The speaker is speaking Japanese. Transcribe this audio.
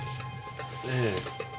ええ。